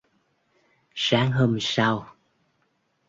Sáng hôm sau